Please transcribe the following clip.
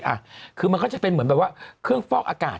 อ่ะคือมันก็จะเป็นเหมือนแบบว่าเครื่องฟอกอากาศ